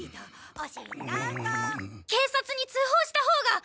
警察に通報したほうが。